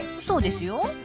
そうですよ。